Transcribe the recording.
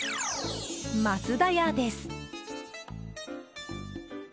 増田屋です。